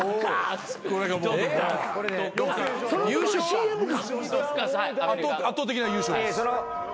圧倒的な優勝です。